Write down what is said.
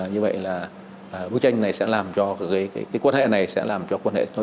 như vậy là bức tranh này sẽ làm cho